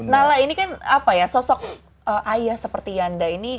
nala ini kan apa ya sosok ayah seperti yanda ini